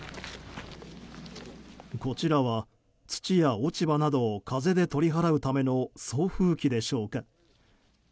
こちらは土や落ち葉などを風で取り払うための送風機でしょうか。